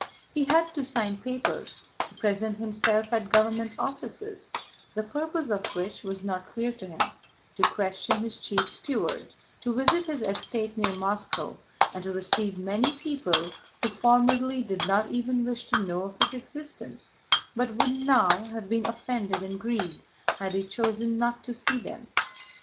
He had to sign papers, to present himself at government offices, the purpose of which was not clear to him, to question his chief steward, to visit his estate near Moscow, and to receive many people who formerly did not even wish to know of his existence but would now have been offended and grieved had he chosen not to see them.